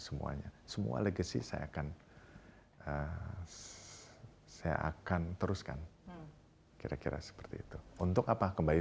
semuanya semua legacy saya akan saya akan teruskan kira kira seperti itu untuk apa kembali